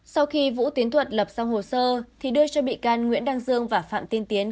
sau khi vũ tiến thuật lập xong hồ sơ thì đưa cho mỹ can nguyễn đăng dương và phạm tiến tiến